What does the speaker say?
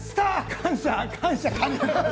感謝感激。